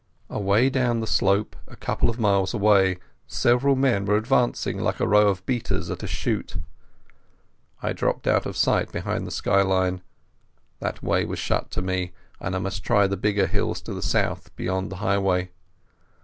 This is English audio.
Away down the slope, a couple of miles away, several men were advancing, like a row of beaters at a shoot. I dropped out of sight behind the sky line. That way was shut to me, and I must try the bigger hills to the south beyond the highway.